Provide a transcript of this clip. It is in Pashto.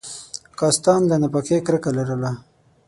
کاستان له ناپاکۍ کرکه لرله.